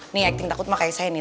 nih acting takut mah kayak saya nih